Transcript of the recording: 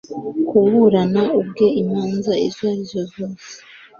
kuburana ubwe imanza izo ari zo zose